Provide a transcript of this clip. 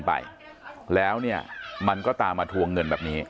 ไปแล้วเนี่ยมันก็ตามมาทวงเงินแบบนี้